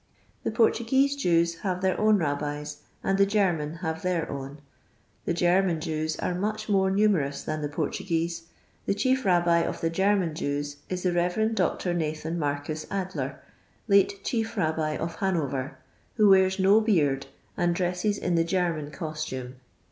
The Portuguese Jews have their own Rabbis, and the German have their own. The German Jews are much more numerous than the Portuguese ; the chief Rabbi of tlie German Jews is the Rev. Dr. Nathan Marcus Adler, late Chief Rabbi of Hanover, who wears no beard, and dresses in the Gennan costume.